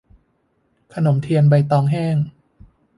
ขนมเทียนใบตองแห้ง